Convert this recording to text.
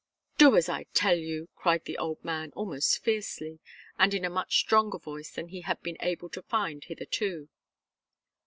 "Do as I tell you!" cried the old man, almost fiercely, and in a much stronger voice than he had been able to find hitherto.